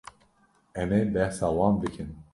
Em ê behsa wan bikin